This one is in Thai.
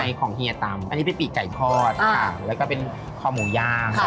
ใช่ของเฮียตำอันนี้เป็นปีิกไก่ครอดครับและก็เป็นข้าวหมูย่าง